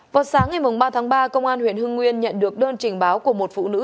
vào sáng ngày ba tháng ba công an huyện hưng nguyên nhận được đơn trình báo của một phụ nữ